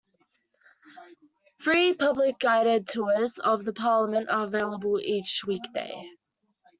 Free public guided tours of the Parliament are available each week day.